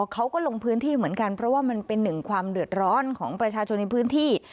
เขาก็ลงพื้นที่เหมือนกันเพราะว่ามันเป็นหนึ่งความเดือดร้อนของประชาชนในพื้นที่